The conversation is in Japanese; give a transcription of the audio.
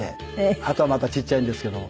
あとはまだちっちゃいんですけども。